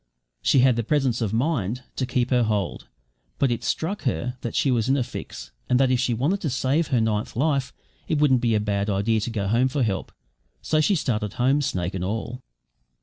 She had the presence of mind to keep her hold; but it struck her that she was in a fix, and that if she wanted to save her ninth life, it wouldn't be a bad idea to go home for help. So she started home, snake and all.